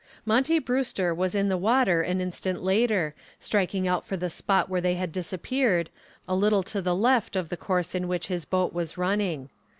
Monty Brewster was in the water an instant later, striking out for the spot where they had disappeared, a little to the left of the course in which his boat was running.